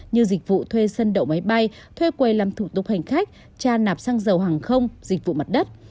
như dịch vụ thuê sân đậu máy bay thuê quầy làm thủ tục hành khách tra nạp xăng dầu hàng không dịch vụ mặt đất